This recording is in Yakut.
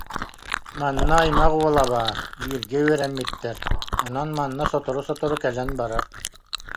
Манна аймах уола баар, бииргэ үөрэммиттэр, онон манна сотору-сотору кэлэн барар